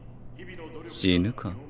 死ぬか？